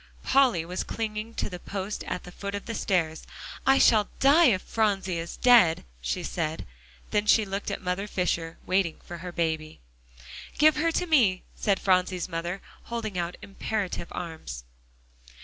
Polly was clinging to the post at the foot of the stairs. "I shall die if Phronsie is dead," she said. Then she looked at Mother Fisher, waiting for her baby. "Give her to me!" said Phronsie's mother, holding out imperative arms.